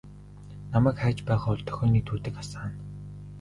Намайг хайж байгаа бол дохионы түүдэг асаана.